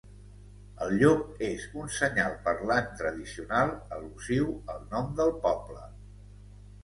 El llop és un senyal parlant tradicional al·lusiu al nom del poble.